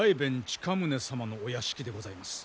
親宗様のお屋敷でございます。